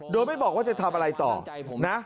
โดยไม่บอกว่าจะทำอะไรต่อนะ